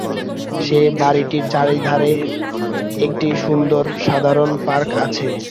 সে বাড়ীটির চারিধারে একটি সুন্দর সাধারণ পার্ক আছে।